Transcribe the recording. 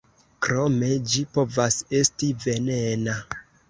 Krome ĝi povas esti venena.